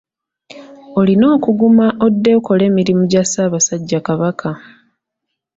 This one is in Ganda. Olina okuguma odde okole emirimu gya Ssaabasajja Kabaka.